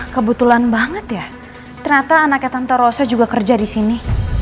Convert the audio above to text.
kebetulan banget ya ternyata anaknya tante rosa juga kerja disini